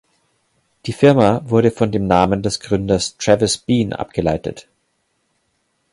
Die Firma wurde von dem Namen des Gründers Travis Bean abgeleitet.